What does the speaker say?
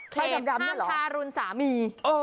แขกข้างสารุนสามี